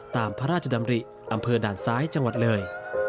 ตามพระราชดำริอำเภอด่านซ้ายจังหวัดเลย